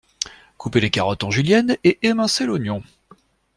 Couper les carottes en julienne et émincer l’oignon.